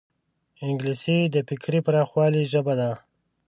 انګلیسي د فکري پراخوالي ژبه ده